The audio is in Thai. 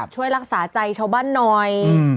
ช่วยรักษาใจชาวบ้านหน่อย